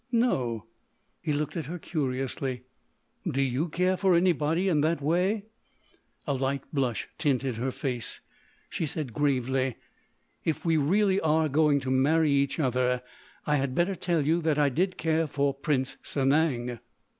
"No." He looked at her, curiously. "Do you care for anybody in that way?" A light blush tinted her face. She said gravely: "If we really are going to marry each other I had better tell you that I did care for Prince Sanang."